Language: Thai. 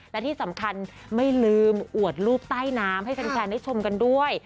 และที่สำคัญไม่ลืมอวดรูปใต้น้ำให้แฟนได้ชมกันด้วย